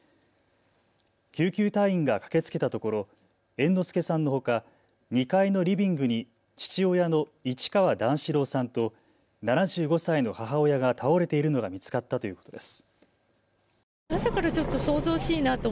救急隊員が駆けつけたところ猿之助さんのほか２階のリビングに父親の市川段四郎さんと７５歳の母親が倒れているのが見つかったということです。